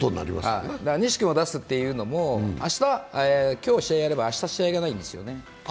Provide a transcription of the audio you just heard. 西君を出すというのも今日試合やれば明日は試合がないんですよね。